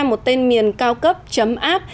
một tên miền cao cấp chấm app